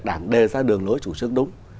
đảng đề ra đường lối chủ trương đúng